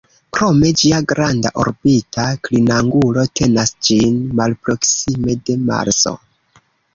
Krome, ĝia granda orbita klinangulo tenas ĝin malproksime de Marso.